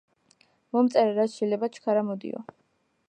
მომწერა, რაც შეიძლება ჩქარა მოდიო.